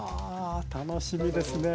楽しみですね。